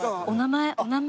お名前